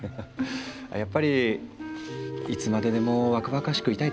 やっぱりいつまででも若々しくいたいですか？